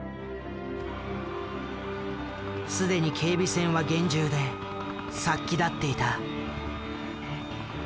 既に警備線は厳重で殺気立っていた。